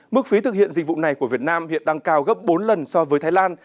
mức phí thực hiện dịch vụ này của việt nam hiện đang cao gấp bốn lần so với thái lan